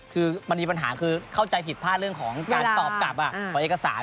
คือมันมีปัญหาคือเข้าใจผิดพลาดเรื่องของการตอบกลับของเอกสาร